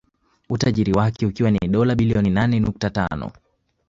Utajiri wake ukiwa ni dola bilioni nane nukta tano